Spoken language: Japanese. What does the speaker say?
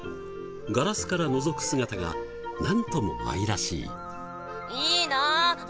ガラスからのぞく姿がなんとも愛らしい。